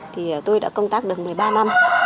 thì tôi đã công tác được một mươi ba năm